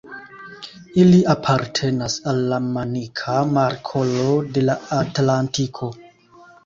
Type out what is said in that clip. Ili apartenas al la Manika Markolo de la Atlantiko.